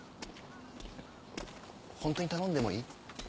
ホントに頼んでもいい？